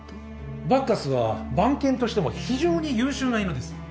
バッカスは番犬としても非常に優秀な犬です。